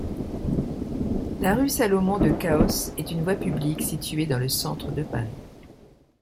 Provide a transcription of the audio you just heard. La rue Salomon-de-Caus est une voie publique située dans le de Paris.